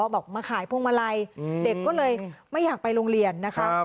บอกมาขายพวงมาลัยเด็กก็เลยไม่อยากไปโรงเรียนนะคะ